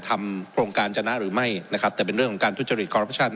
ทำโครงการจนะหรือไม่นะครับแต่เป็นเรื่องของการทุจริตคอรัปชั่น